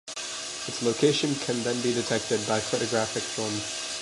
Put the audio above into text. Its location can then be detected by photographic film.